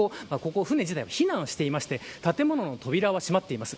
船も避難していて建物の扉が閉まっています。